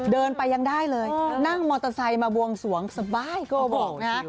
เดินไปยังได้เลยนั่งมอเตอร์ไซค์มาบวงสวงสบายก็บอกนะฮะ